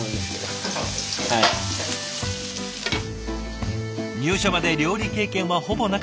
入社まで料理経験はほぼなかったという長尾さん。